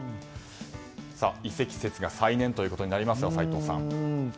移籍説が再燃ということになりますが、齋藤さん。